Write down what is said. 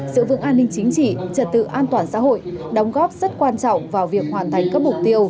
sự vững an ninh chính trị trật tự an toàn xã hội đóng góp rất quan trọng vào việc hoàn thành các mục tiêu